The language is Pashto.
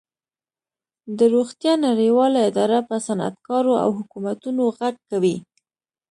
د روغتیا نړیواله اداره په صنعتکارو او حکومتونو غږ کوي